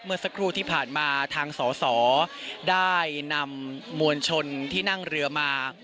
เมื่อสักครู่ที่ผ่านมาทางสอสอได้นำมวลชนที่นั่งเรือมา